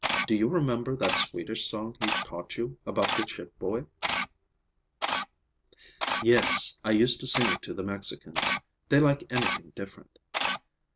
Do you remember that Swedish song he taught you, about the ship boy?" "Yes. I used to sing it to the Mexicans. They like anything different."